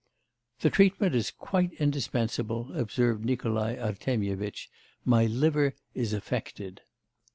'The treatment is quite indispensable,' observed Nikolai Artemyevitch, 'my liver is affected.